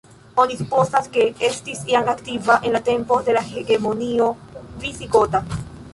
Oni supozas, ke estis jam aktiva en la tempo de la hegemonio visigota.